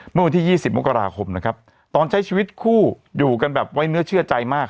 เมื่อวันที่๒๐มกราคมนะครับตอนใช้ชีวิตคู่อยู่กันแบบไว้เนื้อเชื่อใจมาก